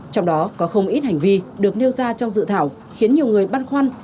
trong đó có không ít hành vi được nêu ra trong dự thảo khiến nhiều người băn khoăn